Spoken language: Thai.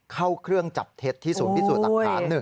เข้าเครื่องจับเท็จที่๐ที่๐ตักฐาน๑